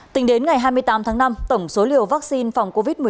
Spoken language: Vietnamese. tính đến ngày hai mươi tám tháng năm tổng số liều vaccine phòng covid một mươi chín đã đổi